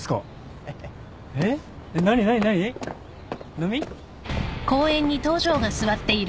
飲み？